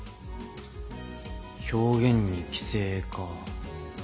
表現に規制か。